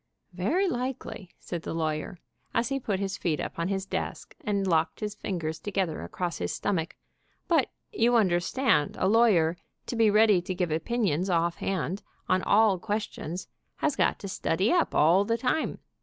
"Very likely/' said the lawyer, as he put his feet up on his desk, and locked his fingers together across his stomach. "But you understand a lawyer, to be ready to give opinions off hand, on all questions, has got to study up all the time.